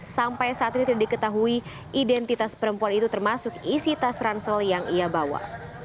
sampai saat ini tidak diketahui identitas perempuan itu termasuk isi tas ransel yang ia bawa